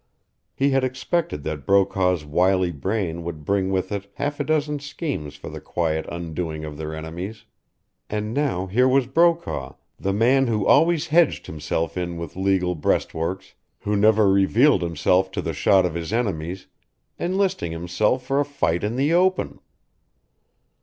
He had expected that Brokaw's wily brain would bring with it half a dozen schemes for the quiet undoing of their enemies. And now here was Brokaw, the man who always hedged himself in with legal breast works who never revealed himself to the shot of his enemies enlisting himself for a fight in the open!